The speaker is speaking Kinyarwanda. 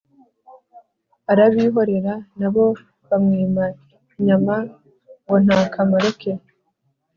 arabihorera; na bo bamwima inyama ngo nta kamaro ke.